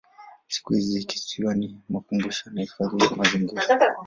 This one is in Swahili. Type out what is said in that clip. Siku hizi kisiwa ni makumbusho na hifadhi ya mazingira.